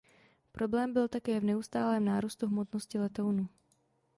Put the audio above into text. Problém byl také v neustálém nárůstu hmotnosti letounu.